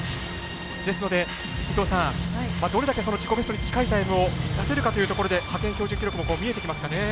ですので、伊藤さんどれだけ自己ベストに近いタイムを出せるかというところで派遣標準記録も見えてきますかね。